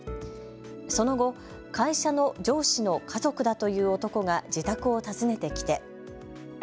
その後、会社の上司の家族だという男が自宅を訪ねてきて。